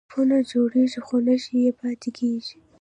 ټپونه جوړیږي خو نښې یې پاتې کیږي.